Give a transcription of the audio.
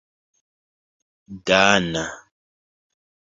dana